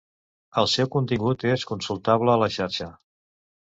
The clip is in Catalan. El seu contingut és consultable a la xarxa.